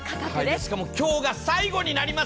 しかも、今日が最後になります。